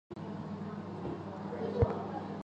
类似于西医的慢性化脓性鼻窦炎。